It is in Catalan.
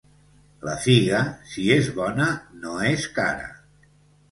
La figa, si és bona, no és cara.